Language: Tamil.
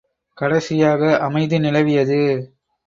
கடைசியாக அமைதி நிலவியது.